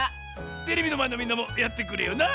テレビのまえのみんなもやってくれよな！